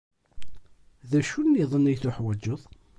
D acu-nniḍen ay teḥwajeḍ?